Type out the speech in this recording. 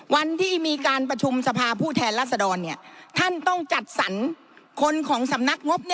วันที่มีการประชุมสภาผู้แทนรัศดรท่านต้องจัดสรรคนของสำนักงบ